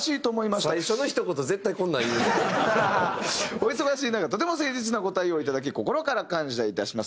「お忙しい中とても誠実なご対応をいただき心から感謝いたします」